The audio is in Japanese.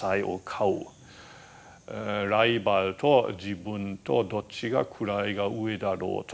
ライバルと自分とどっちが位が上だろうと。